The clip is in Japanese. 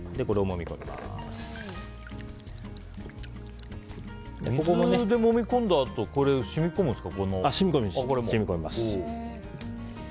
水でもみ込んだあと染み込むんですか？